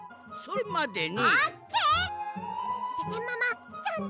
それまでに。